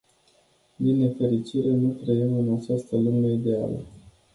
Din nefericire, nu trăim în această lume ideală.